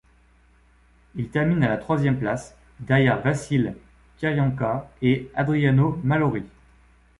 Il termine à la troisième place derrière Vasil Kiryenka et Adriano Malori.